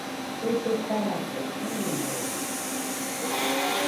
Kue lletarafue ɨɨnorede